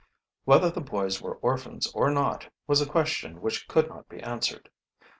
Whether the boys were orphans or not was a question which could not be answered.